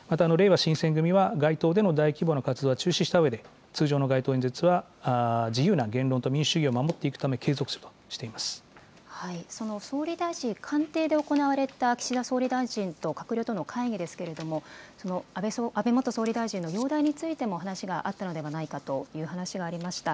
またれいわ新選組は、街頭での大規模な活動は中止したうえで、通常の街頭演説は自由な言論と民主主義を守っていくため、継続するその総理大臣官邸で行われた岸田総理大臣と閣僚との会議ですけれども、安倍元総理大臣の容体についても話があったのではないかという話がありました。